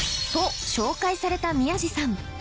と紹介された宮治さん